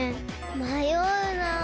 まような。